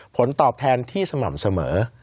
ผลตอบแทนที่สม่ำเสมอ